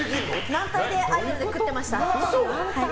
軟体アイドルで食ってました。